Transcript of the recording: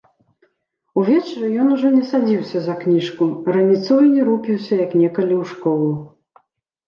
Увечары ён ужо не садзіўся за кніжку, раніцою не рупіўся, як некалі, у школу.